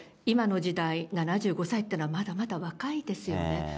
今の時代、７５歳っていうのはまだまだ若いですよね。